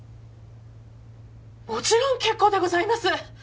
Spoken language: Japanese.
もちろん結構でございます